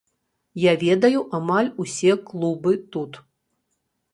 Я ведаю амаль усе клубы тут.